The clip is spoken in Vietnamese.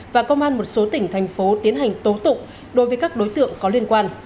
và công an một số tỉnh thành phố tiến hành tố tụng đối với các đối tượng có liên quan